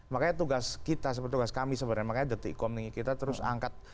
makanya tugas kita tugas kami sebenarnya makanya the t kom kita terus angkat